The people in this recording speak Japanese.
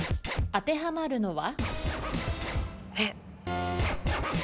当てはまるのは？